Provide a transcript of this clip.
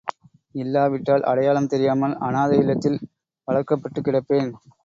இல்லாவிட்டால் அடையாளம் தெரியாமல் அநாதை இல்லத்தில் வளர்க்கப்பட்டுக் கிடப்பேன்.